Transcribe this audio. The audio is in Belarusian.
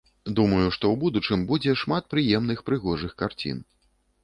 Думаю, што ў будучым будзе шмат прыемных прыгожых карцін.